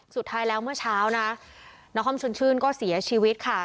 สุดท้ายแล้วเมื่อเช้านะนาคอมชนชื่นก็เสียชีวิตค่ะ